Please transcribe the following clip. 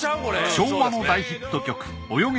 昭和の大ヒット曲『およげ！